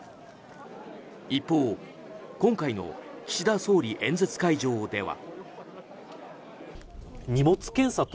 一方、今回の岸田総理演説会場では。